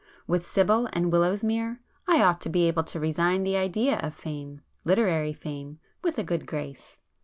With Sibyl and Willowsmere, I ought to be able to resign the idea of fame—literary fame—with a good grace."